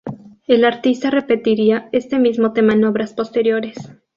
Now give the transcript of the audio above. El artista repetiría este mismo tema en obras posteriores.